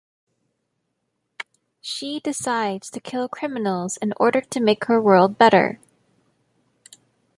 She decides to kill criminals in order to make her world better.